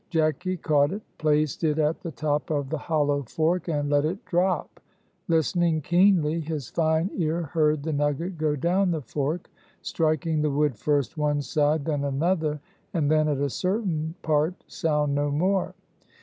Jacky caught it, placed it at the top of the hollow fork and let it drop. Listening keenly, his fine ear heard the nugget go down the fork, striking the wood first one side then another, and then at a certain part sound no more.